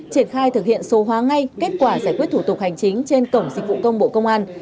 triển khai thực hiện số hóa ngay kết quả giải quyết thủ tục hành chính trên cổng dịch vụ công bộ công an